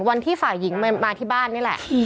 วันที่ฝ่ายหญิงมาที่บ้านนี่แหละ